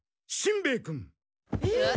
えっ？